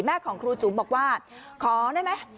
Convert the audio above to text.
ของครูจุ๋มบอกว่าขอได้ไหม